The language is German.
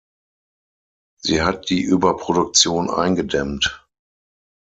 Sie hat die Überproduktion eingedämmt.